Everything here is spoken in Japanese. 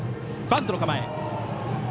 バントの構え。